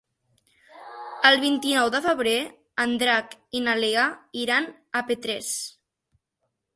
El vint-i-nou de febrer en Drac i na Lea iran a Petrés.